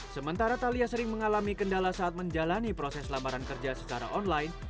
sementara thalia sering mengalami kendala saat menjalani proses lamaran kerja secara online